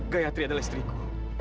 gayatri adalah istriku